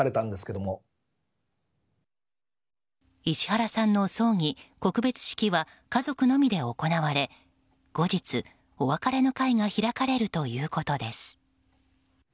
石原さんの葬儀・告別式は家族のみで行われ後日、お別れの会が開かれるということです。